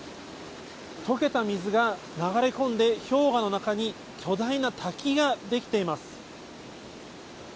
とけた水が流れ込んで氷河の中に巨大な滝が出来ています。